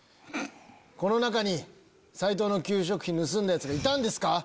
この中に斎藤の給食費盗んだヤツがいたんですか？